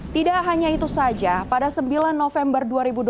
tidak hanya itu saja pada sembilan november dua ribu dua puluh satu